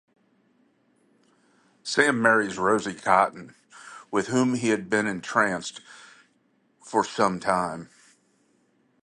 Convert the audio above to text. Sam marries Rosie Cotton, with whom he had been entranced for some time.